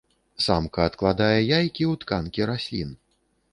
Самка адкладае яйкі ў тканкі раслін.